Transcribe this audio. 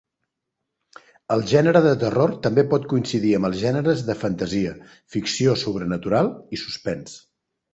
El gènere de terror també pot coincidir amb els gèneres de fantasia, ficció sobrenatural i suspens.